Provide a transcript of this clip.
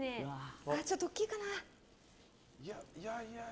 ちょっと大きいかな。